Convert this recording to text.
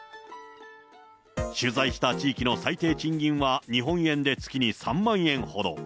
取材した地域の最低賃金は日本円で月に３万円ほど。